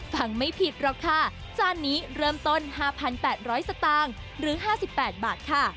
ฟังไม่ผิดหรอกค่ะจานนี้เริ่มต้น๕๘๐๐สตางค์หรือ๕๘บาทค่ะ